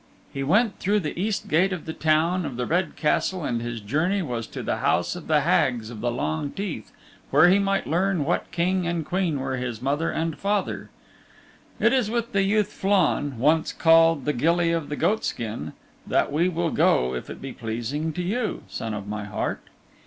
He went through the East gate of the Town of the Red Castle and his journey was to the house of the Hags of the Long Teeth where he might learn what Queen and King were his mother and his father. It is with the youth Flann, once called the Gilly of the Goatskin, that we will go if it be pleasing to you, Son of my Heart.